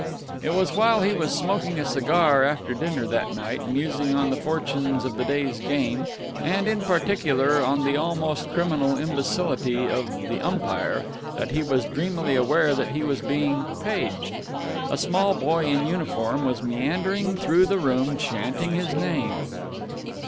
It was while he was smoking a cigar after dinner that night, musing on the fortunes of the day's game and, in particular, on the almost criminal imbecility of the umpire, that he was dreamily aware that he was being "paged." A small boy in uniform was meandering through the room, chanting his name.